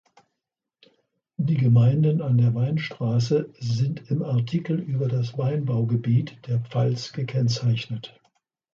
Die Gemeinden an der Weinstraße sind im Artikel über das Weinbaugebiet der Pfalz gekennzeichnet.